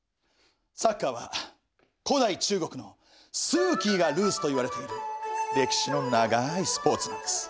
サッカーは古代中国の蹴鞠がルーツといわれている歴史の長いスポーツなんです。